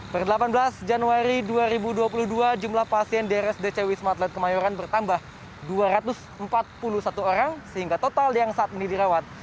per delapan belas januari dua ribu dua puluh dua jumlah pasien di rsdc wisma atlet kemayoran bertambah dua ratus empat puluh satu orang sehingga total yang saat ini dirawat